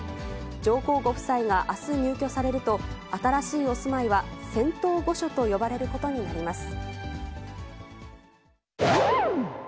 上皇ご夫妻があす入居されると、新しいお住まいは、仙洞御所と呼ばれることになります。